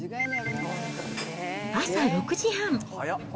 朝６時半。